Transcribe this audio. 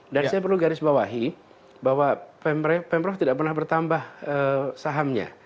dan saya perlu garis bawahi bahwa pemprov tidak pernah bertambah sahamnya